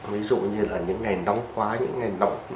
ví dụ như là những ngày nóng quá những ngày nóng